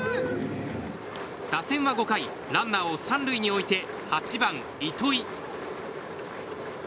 打線は５回ランナーを３塁に置いて８番、糸井。